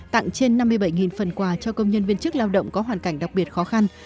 tặng trên năm mươi bảy phần quà cho công nhân viên chức lao động có hoàn cảnh đặc biệt khó khăn